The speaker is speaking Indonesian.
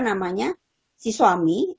namanya si suami